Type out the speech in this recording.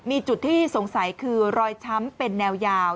มีจุดที่สงสัยคือรอยช้ำเป็นแนวยาว